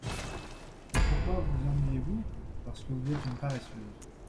Et pourquoi vous ennuyez-vous ? parce que vous êtes une paresseuse.